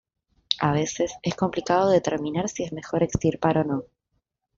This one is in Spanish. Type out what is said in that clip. A veces es complicado determinar si es mejor extirpar o no.